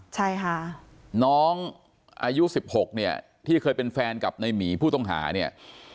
ใช่ค่ะน้องอายุ๑๖เนี่ยที่เคยเป็นแฟนกับในหมีผู้ต้องหาเนี่ย